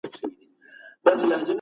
ته ولې تر نيمو شپو ويښ ناست وې؟